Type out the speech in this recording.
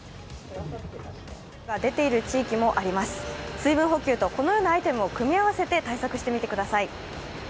水分補給とこのようなアイテムを組み合わせて対策してみてください。